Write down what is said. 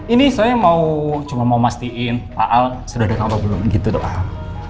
ini saya mau cuma mau mastiin pak al sudah datang apa belum gitu doang